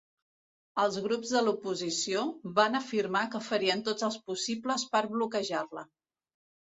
Els grups de l'oposició van afirmar que farien tots els possibles per bloquejar-la.